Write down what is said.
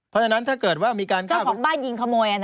เพราะฉะนั้นถ้าเกิดว่ามีการเจ้าของบ้านยิงขโมย